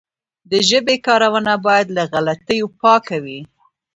د ژبي کارونه باید له غلطیو پاکه وي.